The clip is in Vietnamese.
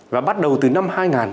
và bắt đầu từ năm hai nghìn bảy